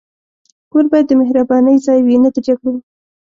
کور باید د مهربانۍ ځای وي، نه د جګړو.